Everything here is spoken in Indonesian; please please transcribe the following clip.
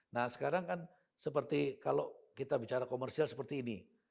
nah sekarang kan seperti kalau kita bicara komersial seperti ini